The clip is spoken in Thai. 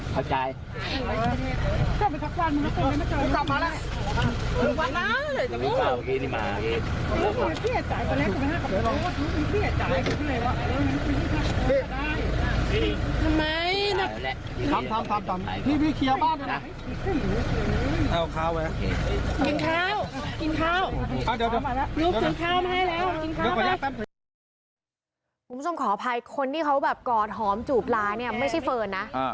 ผมสนขออภัยคนที่เขากอดหอมจูบลาไม่ใช่เฟิร์นนะ